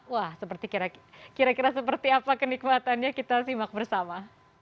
wah seperti kira kira seperti apa kenikmatannya kita simak bersama